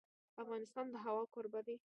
افغانستان د هوا کوربه دی.